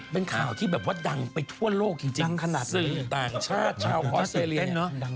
เป็นข่าวที่แบบว่าดังไปทั่วโลกจริงจริงซึงต่างชาติชาวพอร์เซอเรียเนี่ย